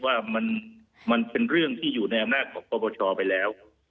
ว่ามันเป็นเรื่องที่อยู่ในอำนาจของปปชไปแล้ว